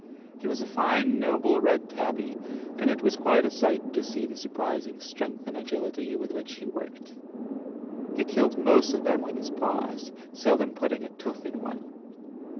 He was a fine, noble, red tabby, and it was quite a sight to see the surprising strength and agility with which he worked. He killed most of them with his paws, seldom putting a tooth in one.